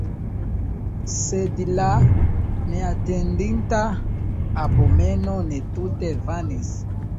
Sed la neatendita abomeno ne tute vanis.